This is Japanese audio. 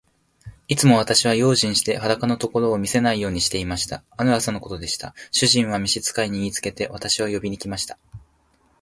いつも私は用心して、裸のところを見せないようにしていました。ある朝のことでした。主人は召使に言いつけて、私を呼びに来ました。